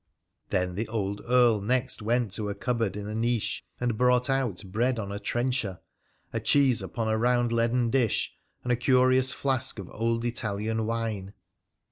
Then the old carl next went to a cupboard in a niche, and brought out bread on a trencher, a cheese upon a round leaden dish, and a curious flask of old Italian wine.